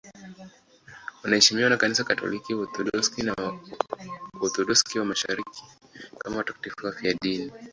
Wanaheshimiwa na Kanisa Katoliki, Waorthodoksi na Waorthodoksi wa Mashariki kama watakatifu wafiadini.